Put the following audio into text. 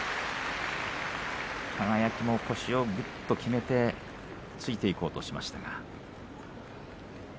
輝も腰をぐっときめて突いていこうとしましたが。